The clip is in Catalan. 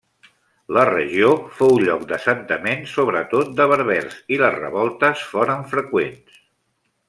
La regió fou lloc d'assentament sobretot de berbers i les revoltes foren freqüents.